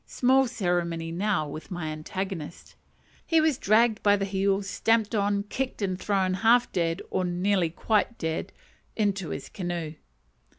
Small ceremony now with my antagonist. He was dragged by the heels, stamped on, kicked, and thrown half dead, or nearly quite dead, into his canoe.